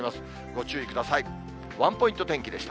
ご注意ください。